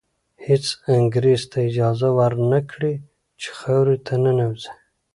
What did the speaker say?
هېڅ انګریز ته اجازه ور نه کړي چې خاورې ته ننوځي.